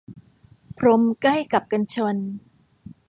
พรมใกล้กับกันชน